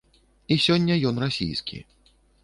І сёння ён расійскі.